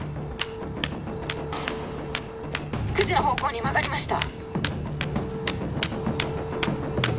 ９時の方向に曲がりました